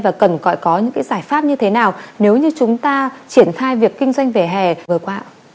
và cần có những cái giải pháp như thế nào nếu như chúng ta triển khai việc kinh doanh về hè vừa qua